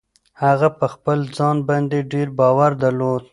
هغه په خپل ځان باندې ډېر باور درلود.